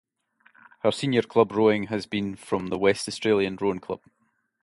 Her senior club rowing has been from the West Australian Rowing Club.